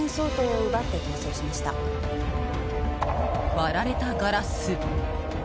割られたガラス。